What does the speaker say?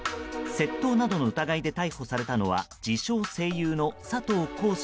窃盗などの疑いで逮捕されたのは自称声優の佐藤仰之